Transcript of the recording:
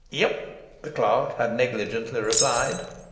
"Yep," the clerk had negligently replied.